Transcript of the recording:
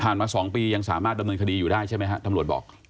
มา๒ปียังสามารถดำเนินคดีอยู่ได้ใช่ไหมฮะตำรวจบอก